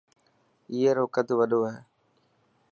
اي رو قد وڏو هي.